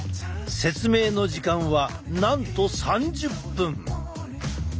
説明の時間はなんと３０分！